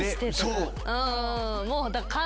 そう。